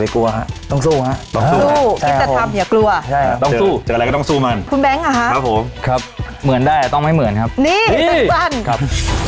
ครับเหมือนได้ต้องไม่เหมือนครับนี่ครับ